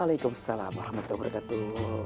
waalaikumsalam warahmatullahi wabarakatuh